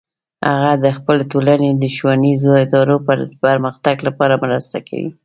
هغه د خپل ټولنې د ښوونیزو ادارو د پرمختګ لپاره مرسته کوي